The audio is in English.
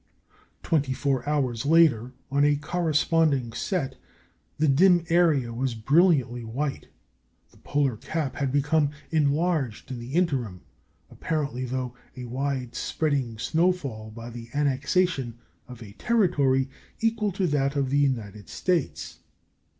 Twenty four hours later, on a corresponding set, the dim area was brilliantly white. The polar cap had become enlarged in the interim, apparently through a wide spreading snow fall, by the annexation of a territory equal to that of the United States.